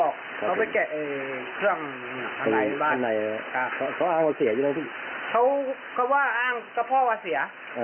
เขาก็ว่าอ้างกับพ่อว่าเสีย